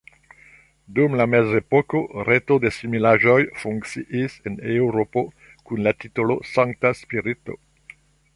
Dum la mezepoko reto de similaĵoj funkciis en Eŭropo kun la titolo Sankta Spirito.